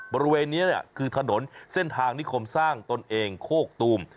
บริเวณนี้คือถนนเส้นทางนิคมสร้างตนเองโคกตูม